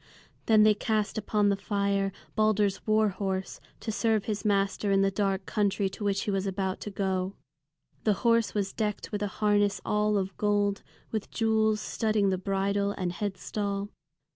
Then they cast upon the fire Balder's war horse, to serve his master in the dark country to which he was about to go. The horse was decked with a harness all of gold, with jewels studding the bridle and headstall.